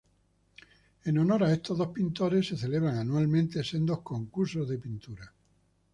En honor a estos dos pintores se celebran anualmente sendos concursos de pintura.